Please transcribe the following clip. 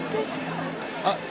あっ。